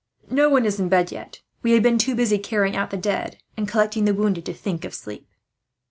No one is yet in bed. We have been too busy carrying out the dead, and collecting the wounded, to think of sleep."